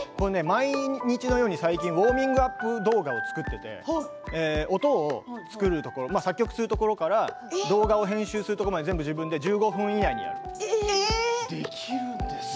毎日のように最近ウオーミングアップ動画を作っていて音を作るところ、作曲するところから動画を編集するところまでできるんですね。